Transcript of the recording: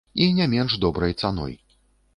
І не менш добрай цаной.